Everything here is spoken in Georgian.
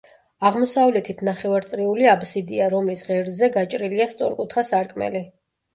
აღმოსავლეთით ნახევარწრიული აბსიდია, რომლის ღერძზე გაჭრილია სწორკუთხა სარკმელი.